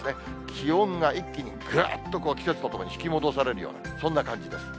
気温が一気にぐっと季節とともに引き戻されるようなそんな感じです。